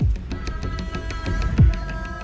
itu adalah dewi ending